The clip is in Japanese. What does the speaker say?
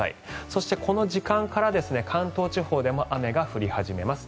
そしてこの時間から関東地方でも雨が降り始めます。